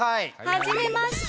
はじめまして。